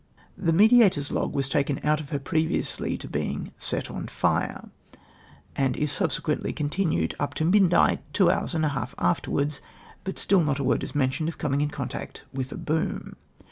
The Mediator 8 log was taken out of her previously to her being set on fire, and is subsequently continued up to midnight, two hours and a half afterwards, but still not a word is mentioned of coming in contact with a boom.